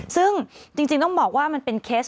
ซึ่งจริงต้องบอกว่ามันเป็นเคส